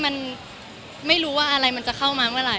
มันไม่รู้ว่าอะไรมันจะเข้ามาเมื่อไห